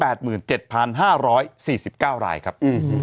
เป็นลักษณ์๑๐รายแล้วนะครับ